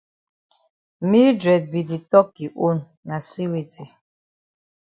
Mildred be di tok yi own na say weti?